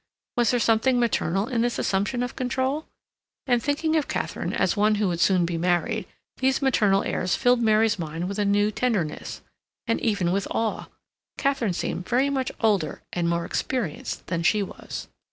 Was there something maternal in this assumption of control? And thinking of Katharine as one who would soon be married, these maternal airs filled Mary's mind with a new tenderness, and even with awe. Katharine seemed very much older and more experienced than she was.